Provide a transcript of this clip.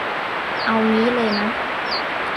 เอางี้เลยนะ